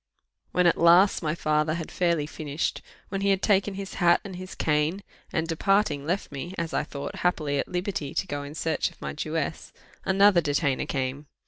When at last my father had fairly finished, when he had taken his hat and his cane, and departing left me, as I thought, happily at liberty to go in search of my Jewess, another detainer came.